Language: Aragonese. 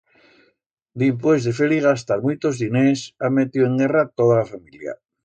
Dimpués de fer-li gastar muitos diners, ha metiu en guerra toda la familia.